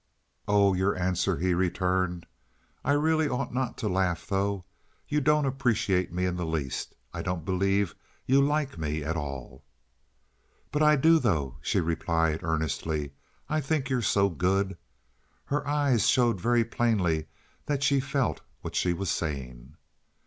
"Oh, your answer" he returned. "I really ought not to laugh, though. You don't appreciate me in the least. I don't believe you like me at all." "But I do, though," she replied, earnestly. "I think you're so good." Her eyes showed very plainly that she felt what she was saying.